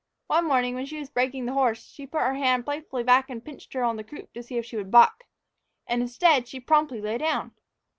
One morning, when she was breaking the horse, she put one hand back playfully and pinched her on the croup to see if she would buck, and, instead, she promptly lay down!